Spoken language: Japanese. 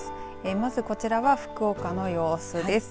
まずこちらは福岡の様子です。